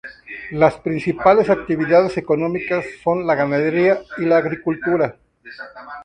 Las principales actividades económicas son la ganadería y la agricultura.